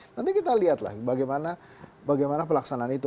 nanti kita lihat lah bagaimana pelaksanaan itu